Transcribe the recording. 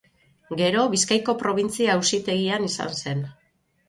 Gero Bizkaiko Probintzia-Auzitegian izan zen.